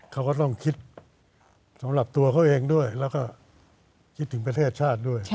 เขาก็ต้องคิดสำหรับตัวเขาเองด้วยแล้วก็คิดถึงประเทศชาติด้วย